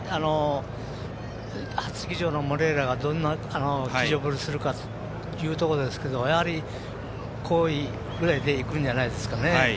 初騎乗のモレイラがどんな騎乗するかというところですけどやはり、後位ぐらいでいくんじゃないですかね。